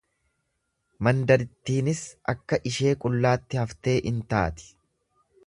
Mandarattiinis akka ishee qullaatti haftee in taati.